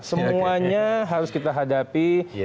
semuanya harus kita hadapi